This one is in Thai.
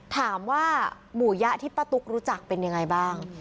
ถามว่าหมู่ยะที่ป้าตุ๊กรู้จักเป็นยังไงบ้าง